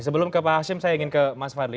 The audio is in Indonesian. sebelum ke pak hashim saya ingin ke mas fadli